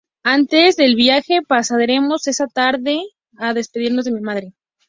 Antes del viaje pasaremos esta tarde a despedirnos de mi madre.